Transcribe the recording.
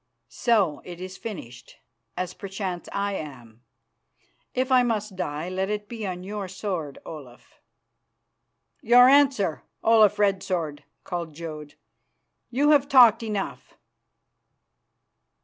"So, it is finished, as perchance I am. If I must die, let it be on your sword, Olaf." "Your answer, Olaf Red Sword!" called Jodd. "You have talked enough."